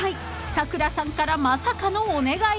咲楽さんからまさかのお願い］